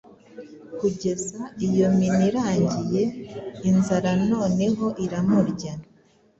Kugeza iyo mini irangiye, inzara noneho iramurya